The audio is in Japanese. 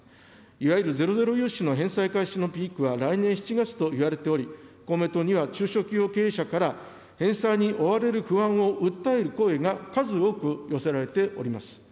いわゆるゼロゼロ融資の返済開始のピークは来年７月といわれており、公明党には中小企業経営者から返済に追われる不安を訴える声が数多く寄せられております。